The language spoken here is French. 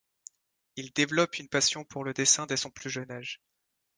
Il développe une passion pour le dessin dès son plus jeune âge.